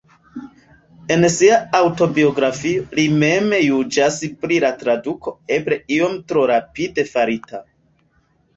En sia aŭtobiografio li mem juĝas pri la traduko "eble iom tro rapide farita".